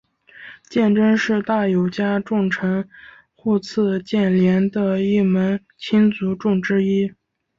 鉴贞是大友家重臣户次鉴连的一门亲族众之一。